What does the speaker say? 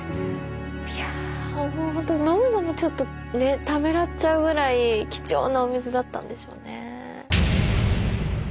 いやホント飲むのもちょっとためらっちゃうぐらい貴重なお水だったんでしょうね。